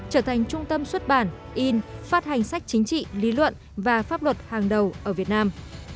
trở thành trung tâm xuất bản in phát hành sách chính trị lý luận và pháp luật hàng đầu ở việt nam